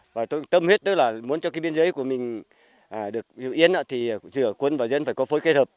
và tôi tâm huyết tức là muốn cho cái biên giới của mình được yên thì giữa quân và dân phải có phối kết hợp